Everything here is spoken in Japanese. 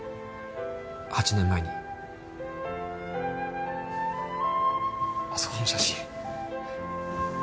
８年前にあそこの写真